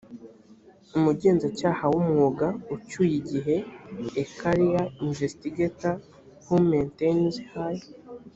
umugenzacyaha w umwuga ucyuye igihe a career investigator who maintains high